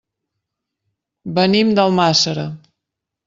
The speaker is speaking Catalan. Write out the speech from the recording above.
Venim d'Almàssera.